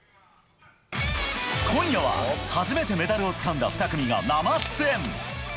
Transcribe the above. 今夜は初めてメダルをつかんだ２組が生出演。